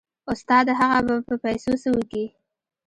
استاده هغه به په پيسو څه وکي.